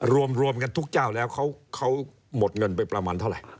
รวมกันทุกเจ้าแล้วเขาหมดเงินไปประมาณเท่าไหร่